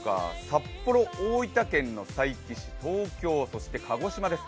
札幌、大分県の佐伯市、東京、そして鹿児島です。